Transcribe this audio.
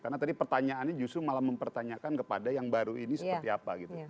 karena tadi pertanyaannya justru malah mempertanyakan kepada yang baru ini seperti apa